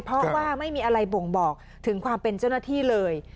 เพราะว่าไม่มีอะไรบ่งบอกถึงความเป็นเจ้าหน้าที่เลย